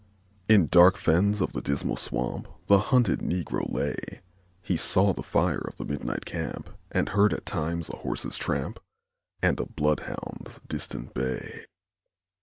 In dark fens of the Dismal Swamp The hunted Negro lay; He saw the fire of the midnight camp, And heard at times a horse's tramp And a bloodhound's distant bay.